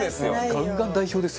ガンガン代表ですよ。